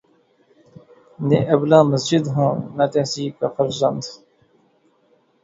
نے ابلۂ مسجد ہوں نہ تہذیب کا فرزند